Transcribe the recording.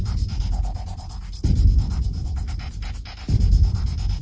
ก็เงียบเป็นแค่สิ่งที่กรุงกับตัวลงทางไว้จากวันที่เราให้ถ่าย